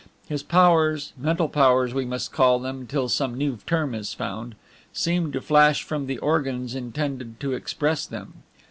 His powers mental powers we must call them till some new term is found seemed to flash from the organs intended to express them.